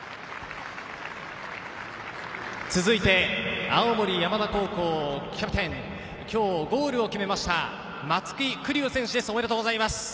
続いて青森山田高校キャプテン、今日、ゴールを決めました松木玖生選手です。